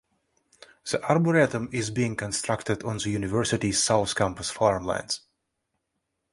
The arboretum is being constructed on the university's south campus farmlands.